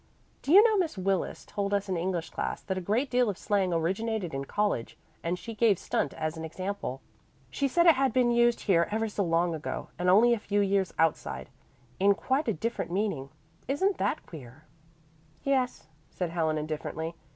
Do you know Miss Willis told us in English class that a great deal of slang originated in college, and she gave 'stunt' as an example. She said it had been used here ever so long and only a few years outside, in quite a different meaning. Isn't that queer?" "Yes," said Helen indifferently.